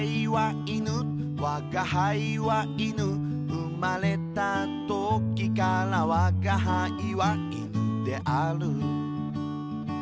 「生まれたときからわが輩は犬である」